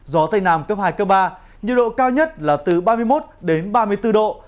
gió tây nam cấp hai cấp ba nhiệt độ cao nhất là từ ba mươi một đến ba mươi bốn độ